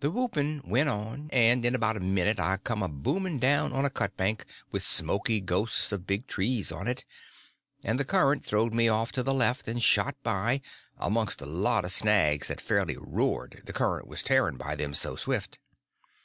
The whooping went on, and in about a minute I come a booming down on a cut bank with smoky ghosts of big trees on it, and the current throwed me off to the left and shot by, amongst a lot of snags that fairly roared, the currrent was tearing by them so swift.